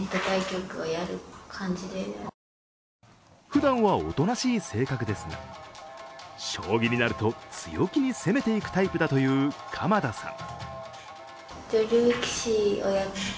ふだんはおとなしい性格ですが、将棋になると、強気に攻めていくタイプだという鎌田さん。